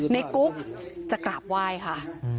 กุ๊กจะกราบไหว้ค่ะ